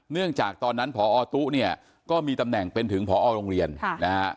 จากตอนนั้นพอตุ๊เนี่ยก็มีตำแหน่งเป็นถึงพอโรงเรียนนะฮะ